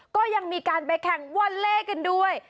ก็ยังมีการไปแข่งวอลเล่กันด้วย